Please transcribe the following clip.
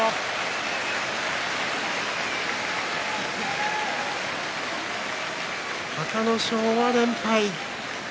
拍手隆の勝は連敗。